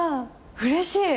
うれしい。